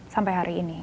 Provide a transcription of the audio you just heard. sampai hari ini